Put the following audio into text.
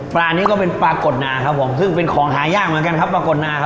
ปลานี้ก็เป็นปลากดนาครับผมซึ่งเป็นของหายากเหมือนกันครับปรากฏนาครับ